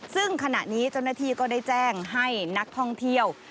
ซึ่งขณะนี้เจ้าหน้าที่ก็ได้แจ้งให้นักท่องเที่ยว